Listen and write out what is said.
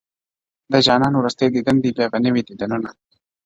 د جانان وروستی دیدن دی بیا به نه وي دیدنونه-